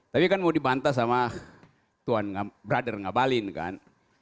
tapi kan mau dibantah oleh tuan brother ngebalin kan